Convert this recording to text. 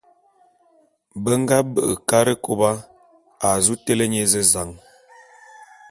Be nga be'e Karekôba a zu télé nye ézezan.